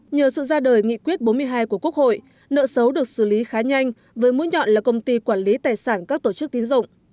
nhờ sự ra đời nghị quyết bốn mươi hai của quốc hội nợ xấu được xử lý khá nhanh với mũi nhọn là công ty quản lý tài sản các tổ chức tín dụng